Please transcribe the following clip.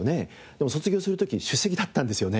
でも卒業する時首席だったんですよね？